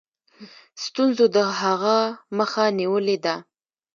ستونزو د هغه مخه نیولې ده.